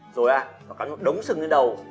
rồi à nó cắn một đống sừng lên đầu